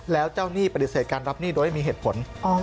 แล้วเจ้าหนี้ปฏิเสธการรับหนี้โดยไม่มีเหตุผล